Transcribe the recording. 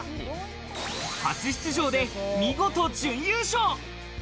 初出場で見事準優勝。